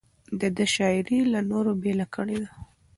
د ده شاعري له نورو بېله کړې ده.